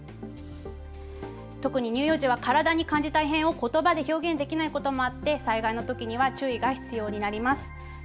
特に乳幼児は体に感じた異変をことばで表現できないこともあって災害のときには注意が必要になります。